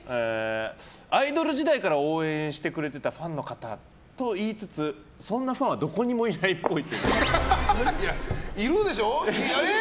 アイドル時代から応援してくれてたファンの方といいつつそんなファンはどこにもいないっぽい。